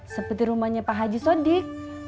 seperti rumahnya pak haji sodik